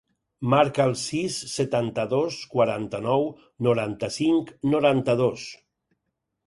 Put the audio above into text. Marca el sis, setanta-dos, quaranta-nou, noranta-cinc, noranta-dos.